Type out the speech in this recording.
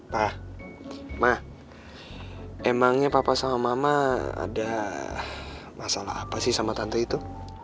pak mah emangnya papa sama mama ada masalah apa sih sama tante itu